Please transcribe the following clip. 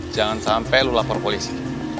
jangan sampai lu lapor polisi